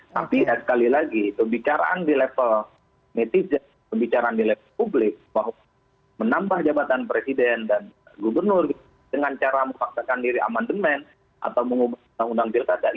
tapi sekali lagi pembicaraan di level netizen pembicaraan di level publik bahwa menambah jabatan presiden dan gubernur dengan cara memaksakan diri amandemen atau mengubah undang undang pilkada